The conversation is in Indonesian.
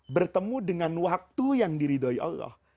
bertemu dengan waktu yang diridhoi allah